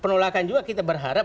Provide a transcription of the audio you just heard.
penolakan juga kita berharap